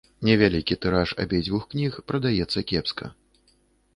Невялікі тыраж абедзвюх кніг прадаецца кепска.